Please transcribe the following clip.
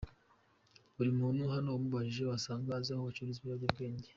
buri muntu hano umubajije wasanga azi aho bacururiza ibiyobyabwenge.